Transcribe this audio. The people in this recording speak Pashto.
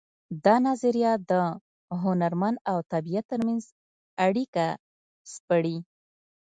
دا نظریه د هنرمن او طبیعت ترمنځ اړیکه سپړي